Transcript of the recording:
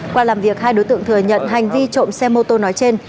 qua làm việc hai đối tượng thừa nhận hành vi trộm xe mô tô nói trên